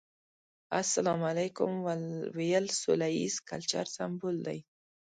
السلام عليکم ويل سوله ييز کلچر سمبول دی.